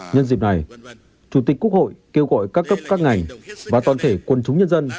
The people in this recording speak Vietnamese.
nhân dịp này chủ tịch quốc hội kêu gọi các cấp các ngành và toàn thể quân chúng nhân dân